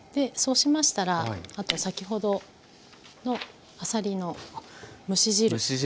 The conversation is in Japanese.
そうしましたら先ほどのあさりの蒸し汁を。